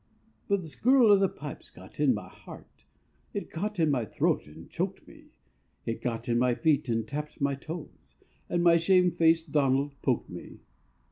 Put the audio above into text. But the skirl o' the pipes got in my heart, It got in my throat and choked me, It got in my feet, and tapped my toes, And my shame faced Donald poked me.